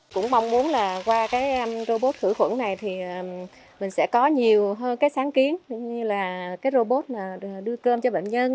cũng mong muốn là qua robot khử khuẩn này thì mình sẽ có nhiều hơn sáng kiến như là robot đưa cơm cho bệnh nhân